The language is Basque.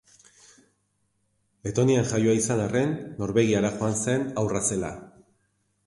Letonian jaioa izan arren Norvegiara joan zen haurra zela.